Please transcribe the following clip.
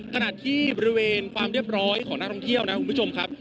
ขณะที่บริเวณความเรียบร้อยของนักท่องเที่ยวนะคุณผู้ชมครับ